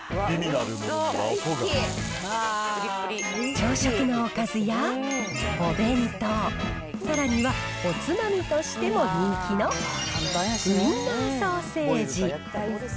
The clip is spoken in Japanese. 朝食のおかずやお弁当、さらにはおつまみとしても人気のウインナーソーセージ。